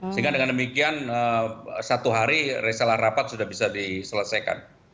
sehingga dengan demikian satu hari resela rapat sudah bisa diselesaikan